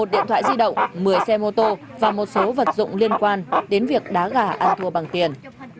một điện thoại di động một mươi xe mô tô và một số vật dụng liên quan đến việc đá gà ăn thua bằng tiền